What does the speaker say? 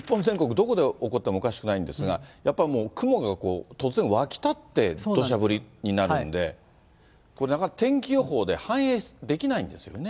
どこで起こってもおかしくないんですが、やっぱりもう、雲がこう突然湧き立ってどしゃ降りになるんで、これ、なかなか天気予報で反映できないんですよね。